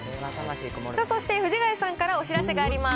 そして藤ヶ谷さんからお知らせがあります。